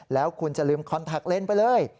แล้วคุณจะลืมคอนตรักเล่นไปเลย